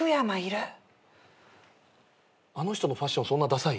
あの人のファッションそんなださい？